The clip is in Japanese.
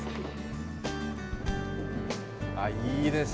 いいですね。